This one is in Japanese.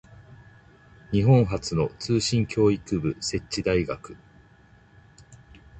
日本初の通信教育部設置大学